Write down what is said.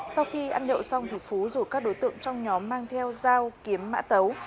sau khi ăn nhậu xong thì phú rủ các đối tượng trong nhóm mang theo dao kiếm mã tấu